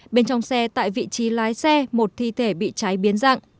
bên trong xe tại vị trí lái xe một thi thể bị cháy biến dạng